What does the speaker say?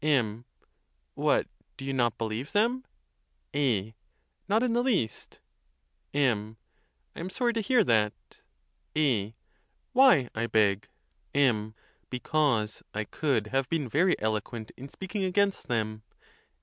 M. What, do you not believe them ? A. Not in the least. M. 1 am sorry to hear that. A. Why,I beg? M. Because I could have been very eloquent in speak ing against them.